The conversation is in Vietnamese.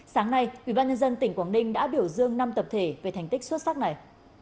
sáng nay ubnd tỉnh quảng ninh đã biểu dương năm tập thể về thành tích xuất sắc này